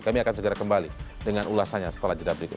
kami akan segera kembali dengan ulasannya setelah jeda berikut